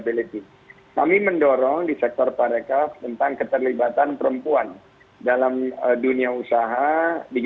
b dua puluh summit ini diselenggarakan dua hari